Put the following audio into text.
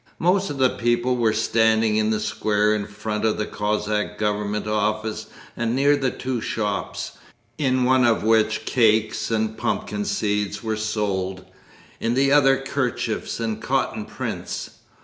Most of the people were standing in the square in front of the Cossack Government Office and near the two shops, in one of which cakes and pumpkin seeds were sold, in the other kerchiefs and cotton prints.